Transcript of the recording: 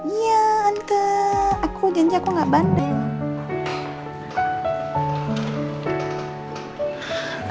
iya nanti aku janji aku gak banding